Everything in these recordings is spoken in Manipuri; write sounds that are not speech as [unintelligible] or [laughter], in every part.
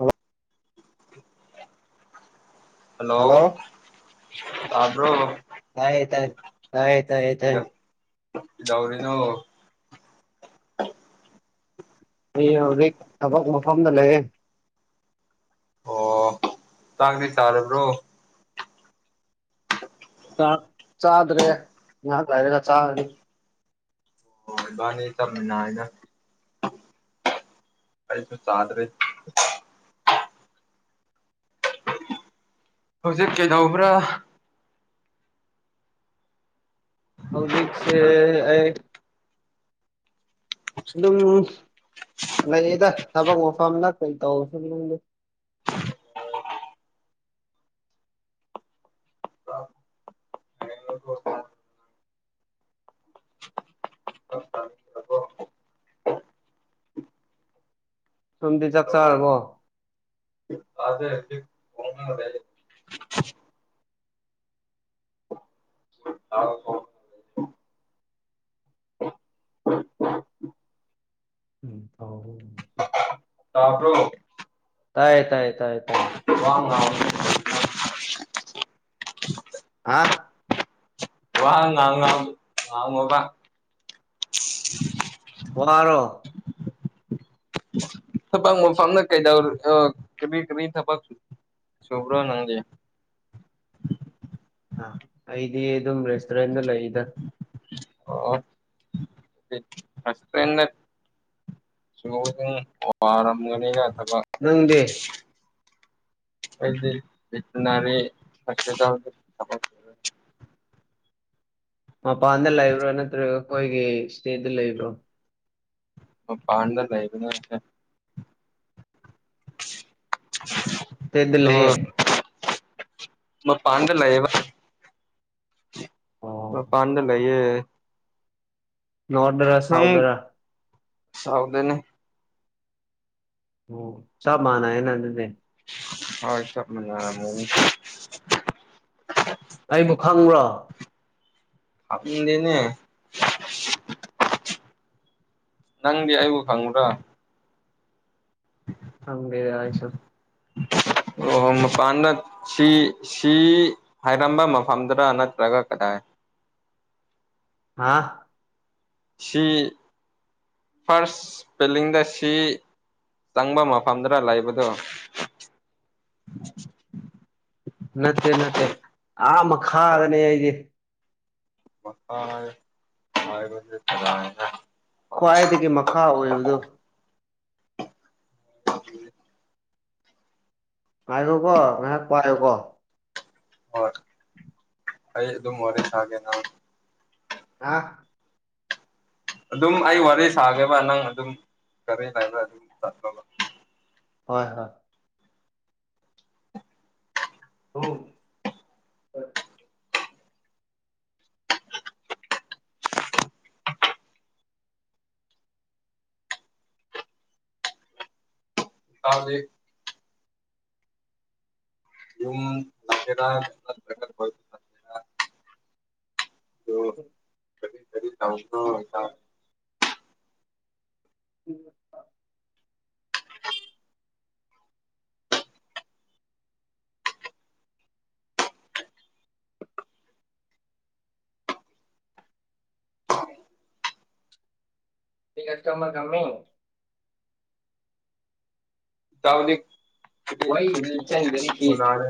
ꯑ ꯍꯜꯂꯣ ꯇꯕꯔꯣ ꯇꯥꯏ ꯇꯥꯏ ꯇꯥꯏ ꯇꯥꯏ ꯇꯥꯏ ꯏꯥꯎꯔꯤꯅꯣ ꯑꯩ ꯍꯧꯖꯤꯛ ꯊꯕꯛ ꯃꯐꯝꯗ ꯂꯩꯌꯦ ꯇꯥꯥꯛꯗ ꯆꯔꯦꯕ꯭ꯔꯣ ꯆꯥꯗ꯭ꯔꯦ ꯉꯥꯏꯍꯥꯛ ꯍꯥꯏꯥꯏꯔꯒ ꯆꯥꯒꯅꯤ ꯃꯕꯥꯅꯤꯃꯦꯅꯅ ꯑꯩꯥꯏꯁꯨ ꯆꯥꯗ꯭ꯔꯦ ꯍꯧꯖꯤꯛ ꯀꯩꯗꯧꯕ꯭ꯔꯥ ꯍꯧꯥꯎꯕꯤꯛꯁꯦ ꯑꯩ ꯑꯗꯨꯝ ꯂꯩꯌꯦꯗ ꯊꯕꯛ ꯃꯐꯝꯗ ꯀꯩ ꯇꯧꯁꯗ ꯇꯝꯗꯤ ꯆꯥꯛ ꯆꯥꯔꯕꯣ ꯑꯗꯦ ꯃꯤ ꯍ ꯇꯄ꯭ꯔꯣ ꯇꯥꯏ ꯇꯥꯏ ꯇꯥꯏ ꯇꯥꯏ ꯋꯥ ꯉ ꯍꯥ ꯋꯥ ꯉ ꯉꯥꯡ ꯑꯉꯣꯕ ꯋꯥꯔ ꯊꯄꯥ ꯐꯝꯅ ꯀꯩꯗ ꯀ ꯀ ꯊꯄꯁꯨ ꯁꯕ꯭ꯔꯣ ꯅꯪꯦ ꯑ ꯑꯩꯗꯤ ꯑꯗꯨꯝ ꯔꯦꯁꯇꯨꯔꯦꯟꯗ ꯂꯩꯗ ꯑꯣ ꯐꯁ ꯇ꯭ꯔꯟꯅ ꯁ ꯑꯗꯨ ꯋꯥꯔꯝꯒꯅꯤꯒ ꯊꯕꯛ ꯅꯪꯗꯤ ꯑꯩꯗꯤ ꯦꯠꯅꯔꯤ ꯂ ꯃꯄꯥꯟꯗ ꯂꯩꯕ꯭ꯔꯣ ꯅꯠꯇ꯭ꯔꯒ ꯑꯩꯈꯣꯏꯒꯤ ꯏꯁꯇꯦꯠꯇ ꯂꯩꯕ꯭ꯔꯣꯥ ꯑꯣ ꯄꯥꯟꯗꯔ ꯂꯩꯕꯦ ꯏꯁꯇꯦꯠꯇ ꯑꯣ ꯂꯩꯌꯦ ꯃ ꯄꯥꯟꯗꯂꯑꯕ ꯑꯣ ꯃ ꯄꯥꯟꯗ ꯂꯩ ꯑ ꯅꯣꯔꯠꯔ ꯅꯪ ꯁꯥꯎꯠꯔ ꯁꯥꯎꯗꯅꯦ ꯑꯣ ꯆ ꯃꯥꯅ ꯅ ꯑꯗꯨꯅꯦ ꯍꯣꯏ ꯆ ꯃ ꯑꯩꯕꯨ ꯈꯪꯕ꯭ꯔꯣ ꯑ ꯂꯩꯅꯦ ꯅꯪꯗꯤ ꯑꯩꯕꯨ ꯈꯪꯉꯨꯗꯣ ꯍꯦ ꯌꯥ ꯍꯥꯏꯁꯨ ꯑꯣꯍꯣ ꯃꯄꯥꯟꯗ ꯁꯤ ꯁꯤ ꯍꯥꯏꯔꯝꯕ ꯃꯐꯝꯗꯥꯔ ꯅꯠꯇ꯭ꯔꯒ ꯀꯗꯥꯏ ꯍꯥ ꯁꯤ ꯐꯥꯔꯁ ꯄꯦꯂꯤꯡꯗ ꯁꯤ ꯆꯪꯕ ꯃꯐꯝꯗꯨꯔ ꯂꯩꯕꯗꯣ ꯅꯠꯇꯦ ꯅꯠꯇꯦ ꯑ ꯃꯈ ꯈꯥꯒꯅꯦ ꯑꯩꯗꯤꯦ ꯐꯦ ꯊꯔꯅ ꯈ꯭ꯋꯥꯏꯗꯒꯤ ꯃꯈꯥ ꯑꯣꯏꯕꯗꯨ ꯆ ꯄꯥꯏꯔꯣꯀꯣ ꯉꯥꯏꯍꯥꯛ ꯄꯥꯏꯔꯣꯀꯦ ꯍꯣꯏ ꯑꯩ ꯑꯗꯨꯝ ꯋꯥꯔꯤ ꯁꯥꯒꯦꯅ ꯑ ꯑꯗꯨꯝ ꯑꯩ ꯋꯥꯔꯤ ꯁꯥꯒꯦꯕ ꯅꯪ ꯑꯗꯨꯝ ꯀꯔꯤ ꯂꯩꯥꯏꯔ ꯑꯗꯨꯝ ꯆꯂꯕ ꯍꯣꯏ ꯍꯣꯏ ꯑ ꯀꯗꯤ ꯆ ꯀꯔꯤ ꯀꯔꯤ ꯊ ꯍꯕ ꯎ ꯀꯁ ꯀ ꯑꯃ ꯀꯃꯤ ꯇꯎꯅꯤ ꯎꯅꯔꯦ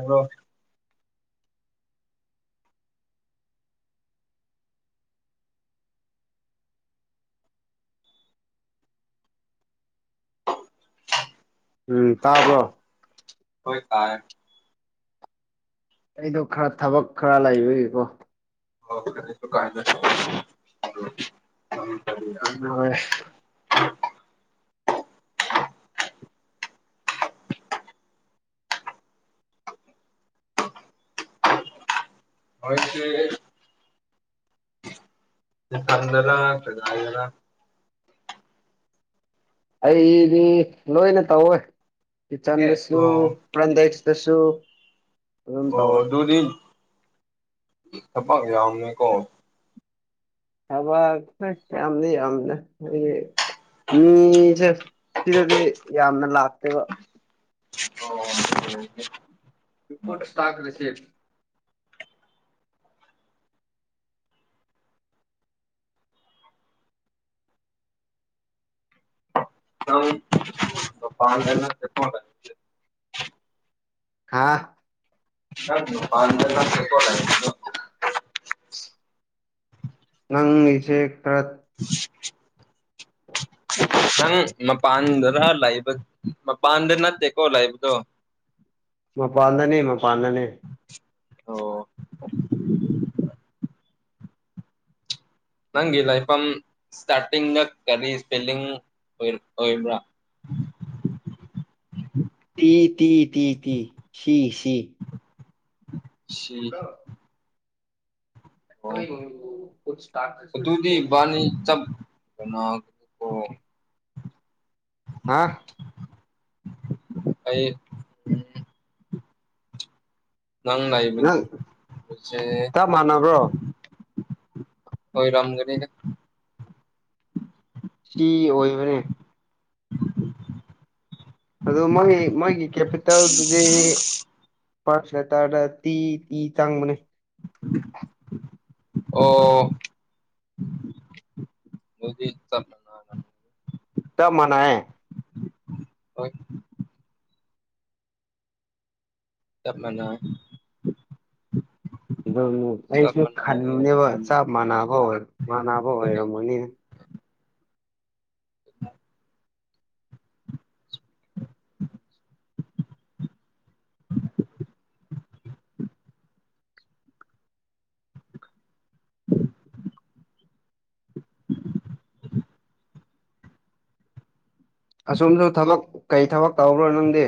ꯎꯝ ꯇꯥꯕ꯭ꯔꯣ ꯍꯣꯏ ꯇꯥꯏ ꯑꯩꯗꯣ ꯈꯔ ꯊꯕꯛ ꯈꯔ ꯂꯩꯕꯒꯤꯀꯣ ꯑꯣꯁꯨ ꯀꯥꯏꯗ ꯎ ꯍꯛꯇ ꯄꯟꯅꯔ ꯄꯉꯥꯏꯔ ꯑꯩꯗꯤ ꯂꯣꯏꯅ ꯇꯧꯋꯦ ꯀꯤꯆꯟꯗꯁꯨ ꯑꯣ ꯄ꯭ꯔꯟꯗꯦꯛꯁꯇꯁꯨ ꯑꯣ ꯑꯗꯨꯗꯤ ꯊꯄꯥꯛ ꯌꯥꯝꯅꯤꯀꯣ ꯑꯕ ꯀꯝꯅꯤ ꯌꯥꯝꯅ ꯃꯤꯁꯦ ꯁꯤꯗꯗꯤ ꯌꯥꯝꯅ ꯂꯥꯛꯇꯦꯕ ꯎꯝ ꯔꯤꯄꯣꯠ ꯁ ꯇꯥꯛ꯭ꯔꯔꯤꯁꯤ [unintelligible] ꯍꯥꯥ ꯅꯪ ꯃꯄꯟꯗ ꯅꯠꯇꯦꯕ ꯂꯩꯗꯣ [inaudible] ꯅꯪꯉꯁꯦ ꯈꯔ [inaudible] ꯅꯪ ꯃꯄꯥꯟꯗꯔ ꯂꯩꯕ ꯃꯄꯥꯟꯗ ꯅꯠꯇꯦꯀꯣ ꯂꯩꯕꯗꯣ ꯃꯄꯥꯟꯗꯅꯦ ꯃꯄꯥꯟꯗꯅꯦ꯫ ꯑꯣ ꯅꯪꯒꯤ ꯂꯥꯏꯐꯝ ꯏꯁꯇꯥꯔꯇꯤꯡꯗ ꯀꯔꯤ ꯏꯁꯄꯦꯂꯤꯡ ꯑꯣꯏꯕ꯭ꯔꯥ T T T T C ꯁꯤ ꯁꯤ ꯑꯣ [unintelligible] ꯑꯅꯤ ꯆꯞ ꯀꯩꯅꯣ ꯑꯣꯀꯦ ꯍꯥꯥ ꯑꯩ ꯎꯝ ꯅꯪ ꯅꯪ ꯂꯩꯏꯕꯁꯦ꯫ ꯆꯞ ꯃꯥꯟꯅꯕ꯭ꯔꯣ ꯑꯣꯏꯔꯝꯒꯅꯤꯗ꯫ ꯁꯤ ꯑꯣꯏꯕꯅꯦ꯫ ꯑꯗꯨ ꯃꯣꯏ ꯃꯣꯏꯒꯤ ꯀꯦꯄꯤꯇꯦꯜꯗꯨꯗꯤ ꯄꯥꯁꯇꯥꯔꯗ ꯇꯤ ꯇꯤ ꯆꯪꯕꯅꯦ꯫ ꯑꯣ ꯑꯗꯨꯗꯤ ꯆꯥꯠ ꯆꯞ ꯃꯅꯩꯌꯦ꯫ ꯍꯣꯏ ꯇꯞ ꯃꯅ ꯑꯗꯨꯕꯨ ꯑꯩꯁꯨ ꯈꯟꯕꯅꯦꯕ ꯏꯕꯥꯅꯤ ꯆꯞ ꯃꯥꯟꯅꯕ ꯑꯣꯏ ꯃꯥꯟꯅꯕ ꯑꯣꯏꯔꯝꯒꯅꯤꯅ [inaudible] [inaudible] [inaudible] [inaudible] ꯑꯁꯣꯨꯝꯁꯨ ꯊꯕꯛ ꯀꯩ ꯊꯕꯛ ꯇꯧꯕ꯭ꯔꯣ ꯅꯪꯗꯤ꯫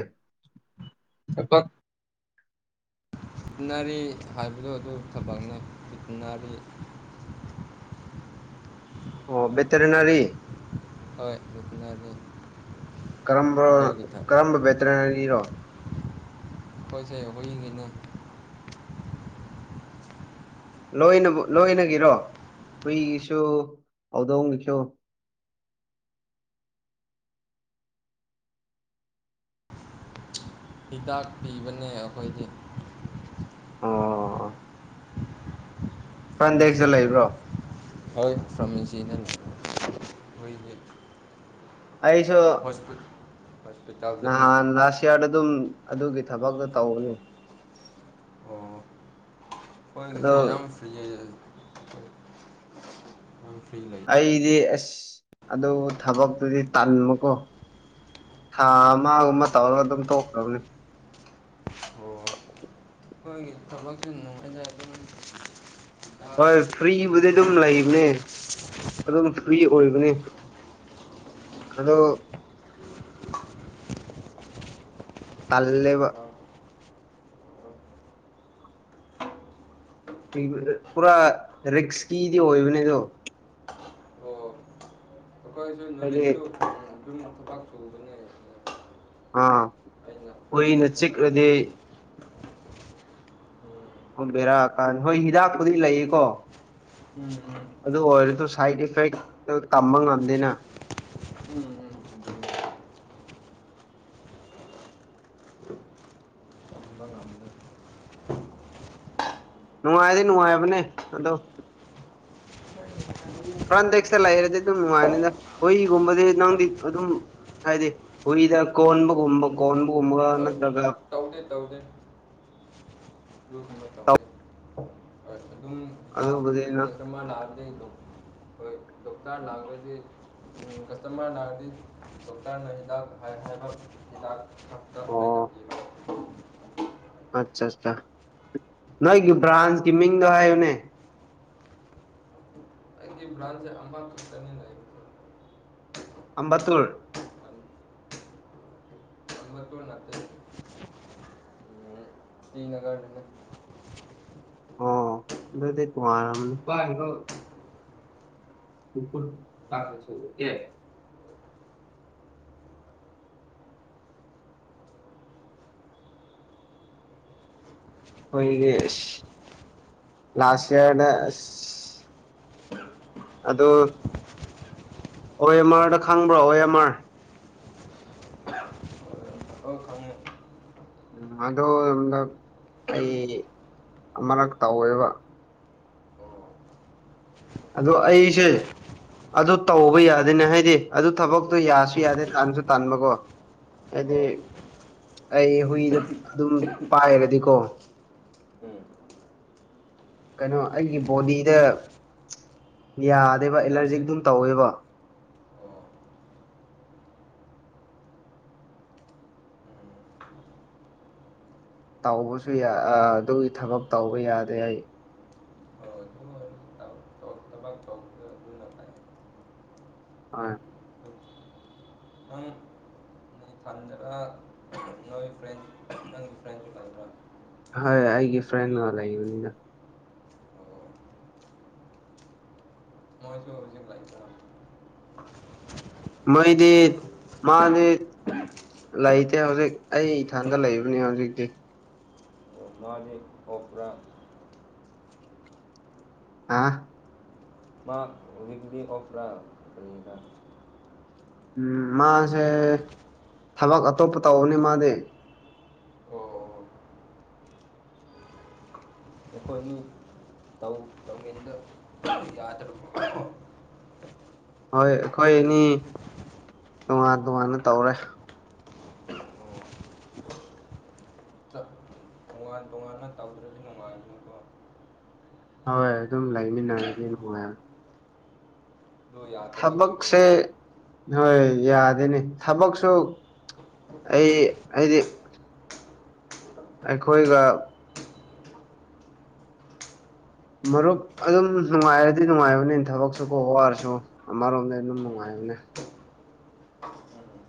ꯊꯥꯕꯛ ꯇꯤꯠꯅꯔꯤ ꯍꯥꯏꯕꯗꯣ ꯑꯗꯨ ꯊꯕꯛꯅꯦ ꯇꯤꯠꯅꯔꯤ꯫ ꯑꯣ ꯕꯦꯇꯅꯔꯤ꯫ ꯍꯣꯏ ꯏꯅꯗꯤ꯫ ꯀꯔꯝꯕ ꯀꯔꯝꯕ ꯕꯦꯇꯔꯅꯔꯤꯅꯣ꯫ ꯄꯣꯏꯁꯦ ꯑꯣꯏꯅ ꯂꯣꯏꯅ ꯂꯣꯏꯅꯒꯤꯔꯣ ꯍꯨꯏꯒꯤꯁꯨ ꯍꯧꯗꯣꯡꯒꯤꯁꯨ ꯍꯤꯗꯥꯛ ꯄꯤꯕꯅꯦ ꯑꯩꯈꯣꯏꯗꯤ ꯑꯣ ꯐꯥꯔꯃꯥꯁꯤ ꯐ꯭ꯔꯟꯗꯦꯛꯁꯇ ꯂꯩꯕ꯭ꯔꯣ ꯍꯣꯏ ꯐꯥꯔꯃꯥꯁꯤꯅ ꯑꯈꯣꯏꯗꯤ꯫ ꯑꯩꯁꯨ ꯍꯣꯁꯄꯤꯇꯥꯜꯗꯅꯦ ꯅꯍꯥꯟ ꯂ ꯀꯤꯌꯥꯔꯗ ꯑꯗꯨꯝ ꯑꯗꯨꯒꯤ ꯊꯕꯛꯇꯣ ꯇꯧꯅꯤ꯫ ꯑꯣ ꯑꯗꯣ ꯍꯣꯏꯁꯦ ꯌꯥꯝ ꯐ ꯐꯔꯤ ꯂꯩ꯫ ꯑꯩꯗꯤ ꯑꯁ ꯑꯗꯨ ꯊꯕꯛꯇꯨꯗꯤ ꯇꯟꯕꯀꯣ ꯊꯥ ꯑꯃꯒꯨꯝꯕ ꯇꯧꯔꯒ ꯑꯗꯨꯝ ꯇꯣꯛꯈ꯭ꯔꯕꯅꯤ꯫ ꯍꯣꯏꯒꯤ ꯊꯕꯛꯁꯨ ꯅꯨꯡꯉꯥꯏꯖ ꯑꯗꯨ ꯍꯣꯏ ꯐ꯭ꯔꯤꯕꯨꯗꯤ ꯑꯗꯨꯝ ꯂꯩꯕꯅꯦ꯫ ꯑꯗꯨꯝ ꯐ꯭ꯔꯤ ꯑꯣꯏꯕꯅꯤ ꯑꯗꯣ ꯇꯜꯂꯕ꯫ ꯄꯨꯔꯥ ꯔꯤꯛꯁꯀꯤꯗꯤ ꯑꯣꯏꯕꯅꯦ ꯑꯗꯣ ꯑꯣ ꯑꯩꯈꯣꯏꯁꯨ ꯍꯥꯏꯗꯤ ꯅꯨꯔꯤꯠꯁꯨ ꯑꯗꯨꯝ ꯈꯨꯇꯥꯛ ꯆꯨꯕꯅꯦ꯫ ꯍꯥꯥ ꯗꯦꯛꯇ ꯍꯨꯏꯅꯆꯛ ꯂꯩꯕ ꯔꯗꯤ ꯑꯣ ꯕꯦꯔꯥꯀꯥꯅꯤ ꯍꯣꯏ ꯍꯤꯗꯥꯛꯄꯨꯗꯤ ꯂꯩꯌꯦꯀꯣ ꯎꯝ ꯎꯝ ꯑꯗꯨ ꯑꯣꯏꯔꯁꯨ ꯁꯥꯏꯠ ꯏꯐꯦꯛꯇ ꯇꯝꯕ ꯉꯝꯗꯦꯅ ꯎꯝ ꯎꯝ ꯇꯝꯕ ꯉꯝꯗꯦ ꯅꯨꯡꯉꯥꯏꯗꯤ ꯅꯨꯡꯉꯥꯏꯕꯅꯦ ꯑꯗꯣ ꯐ꯭ꯔꯥꯟꯗꯦꯛꯁꯇ ꯂꯩꯔꯗꯤ ꯑꯗꯨꯝ ꯅꯨꯡꯉꯥꯏꯅꯤꯗ ꯍꯨꯏꯒꯨꯝꯕꯗꯤ ꯅꯪꯗꯤ ꯑꯗꯨꯝ ꯍꯥꯏꯗꯤ ꯍꯨꯏꯗ ꯀꯣꯟꯕꯒꯨꯝꯕ ꯀꯣꯟꯕꯒꯨꯝꯕ ꯍꯣꯏ ꯅꯠꯇ꯭ꯔꯒ ꯇꯧꯗꯦ ꯇꯧꯗꯦ ꯑꯗꯨꯒꯨꯝꯕꯥ ꯇꯧꯗꯦꯕꯥ ꯑꯗꯨꯝ ꯂꯛ ꯑꯗꯨꯕꯨꯗꯤ ꯅꯪ ꯀꯁꯇꯃꯔ ꯂꯥꯛꯑꯗꯤ [unintelligible] ꯗꯣꯛꯇꯥꯔ ꯂꯥꯛꯑꯂꯗꯤ ꯀꯁꯇꯥꯃꯔ ꯂꯥꯛꯔꯥꯗꯤ ꯗꯣꯛꯇꯔꯅ ꯍꯤꯗꯥꯛ ꯍꯥꯏ ꯍꯥꯏꯕꯥ ꯑꯣ ꯍꯤꯗꯥꯛ [unintelligible] ꯑꯆꯥ ꯑꯆꯥ ꯅꯣꯏꯒꯤ ꯕ꯭ꯔꯥꯟꯁꯀꯤ ꯃꯤꯡꯗꯣ ꯍꯥꯏꯕꯅꯤ [unintelligible] [unintelligible] [inaudible] ꯁ꯭ꯔꯤꯅꯒꯔ [unintelligible] ꯑꯣ ꯑꯗꯨꯗꯤ ꯇꯣꯉꯥꯜꯂꯝꯅꯤ [unintelligible] [unintelligible] ꯑꯩꯈꯣꯏꯒꯤꯗꯤ ꯑꯁ ꯂꯥꯁ ꯌꯔꯗ ꯑꯁ ꯑꯗꯨ ꯑꯣ ꯑꯦꯝ ꯑꯥꯔꯗꯨ ꯈꯪꯕ꯭ꯔꯣ ꯑꯣ ꯑꯦꯝ ꯑꯥꯔ [unintelligible] ꯑꯧ ꯈꯪꯉꯦ ꯎꯝ ꯑꯗꯣ ꯑꯩ ꯑꯃꯔꯛ ꯇꯧꯋꯦꯕ ꯑꯣ ꯑꯗꯣ ꯂꯣꯟ ꯑꯩꯁꯦ ꯅꯨꯡꯉꯥꯏ ꯑꯗꯨ ꯇꯧꯕ ꯌꯥꯗꯦꯅꯦ ꯍꯥꯏꯗꯤ ꯑꯗꯨ ꯊꯕꯛꯇꯣ ꯌꯥꯁꯨ ꯌꯥꯗꯦ ꯇꯟꯁꯨ ꯇꯟꯕꯀꯣ ꯍꯥꯏꯗꯤ ꯑꯣ ꯑꯩ ꯍꯨꯏꯗ ꯑꯗꯨꯝ ꯄꯥꯏꯔꯗꯤꯀꯣ ꯎꯝ ꯀꯩꯅꯣ ꯑꯩꯒꯤ ꯕꯣꯗꯤꯗ ꯌꯥꯗꯦꯕ ꯅꯨꯡꯗꯥꯡꯁꯦ ꯑꯦꯂꯔꯖꯤꯛ ꯑꯗꯨꯝ ꯇꯧꯋꯦꯕ ꯑꯣ ꯇꯧꯕꯁꯨ ꯌꯥ ꯑꯗꯨꯒꯤ ꯊꯕꯛ ꯇꯧꯕ ꯌꯥꯗꯦ ꯑꯩ ꯎꯝ ꯑꯗꯨ ꯍꯣꯏ ꯑꯗꯨ [unintelligible] ꯐꯩ ꯍꯣꯏ [unintelligible] [unintelligible] ꯍꯣꯏ ꯑꯩꯒꯤ ꯐ꯭ꯔꯦꯟꯒ ꯂꯩꯕꯅꯤꯅ ꯑꯣ [unintelligible] ꯃꯣꯏꯗꯤ ꯃꯥꯗꯤ ꯂꯩꯇꯦ ꯍꯧꯖꯤꯛ ꯑꯩ ꯏꯊꯟꯗ ꯂꯩꯕꯅꯤ ꯍꯧꯖꯤꯛꯇꯤ [unintelligible] ꯍꯥ [unintelligible] ꯎꯝ ꯃꯥꯁꯦ ꯊꯕꯛ ꯑꯇꯣꯞꯄ ꯇꯧꯕꯅꯤ ꯃꯥꯗꯤ ꯑꯣ [unintelligible] ꯍꯣꯏ ꯑꯩꯈꯣꯏ ꯑꯅꯤ ꯇꯣꯉꯥꯟ ꯇꯣꯉꯥꯟꯅ ꯇꯧꯔꯦ ꯆꯞ ꯇꯣꯉꯥꯟ ꯇꯣꯉꯥꯟꯅ ꯇꯧꯗ꯭ꯔꯗꯤ ꯅꯨꯡꯉꯥꯏꯒꯅꯤꯀꯣ ꯍꯣꯏ ꯑꯗꯨꯝ ꯂꯩꯃꯤꯟꯅꯔꯗꯤ ꯅꯨꯡꯉꯥꯏ ꯑꯗꯨ ꯌꯥꯗꯕꯒꯤꯀꯣ ꯊꯕꯛꯁꯦ ꯍꯣꯏ ꯌꯥꯗꯦꯅꯦ ꯊꯕꯛꯁꯨ ꯑꯩ ꯍꯥꯏꯗꯤ ꯑꯩꯈꯣꯏꯒ ꯃꯔꯨꯞ ꯑꯗꯨꯝ ꯅꯨꯡꯉꯥꯏꯔꯗꯤ ꯅꯨꯡꯉꯥꯏꯕꯅꯤ ꯊꯕꯛꯁꯨ ꯀꯣ ꯋꯥꯔꯁꯨ ꯑꯃꯔꯣꯝꯗ ꯑꯗꯨꯝ ꯎꯝ ꯅꯨꯡꯉꯥꯏꯕꯅꯤ ꯎꯝ